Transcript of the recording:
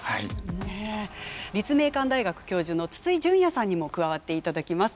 立命館大学教授の筒井淳也さんにも加わっていただきます。